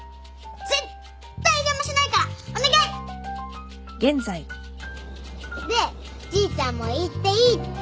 絶対邪魔しないからお願い！でじいちゃんも行っていいって言ってくれたんだ。